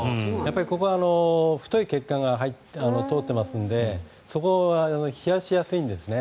ここは太い血管が通っていますのでそこは冷やしやすいんですね。